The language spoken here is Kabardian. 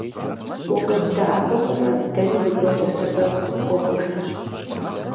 УкъыддэӀэпыкъумэ, дэри зыгуэркӀэ сэбэп дыпхуэхъужынщ.